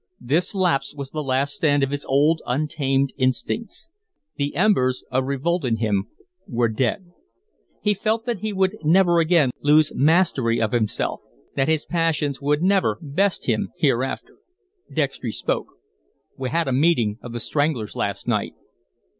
This lapse was the last stand of his old, untamed instincts. The embers of revolt in him were dead. He felt that he would never again lose mastery of himself, that his passions would never best him hereafter. Dextry spoke. "We had a meeting of the 'Stranglers' last night."